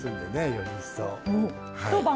より一層。